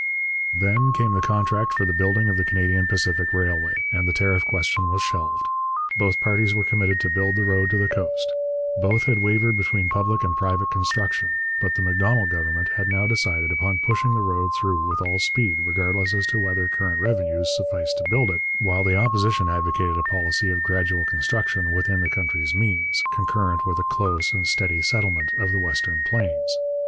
Then came the contract for the building of the Canadian Pacific Railway, and the tariff question was shelved. Both parties were committed to build the road to the coast. Both had wavered between public and private construction. But the Macdonald Government had now decided upon pushing the road through with all speed, regardless as to whether current revenues sufficed to build it, while the Opposition advocated a policy of gradual construction within the country's means, concurrent with a close and steady settlement of the western plains.